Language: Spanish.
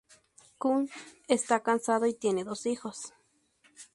Kuhn está casado y tiene dos hijos.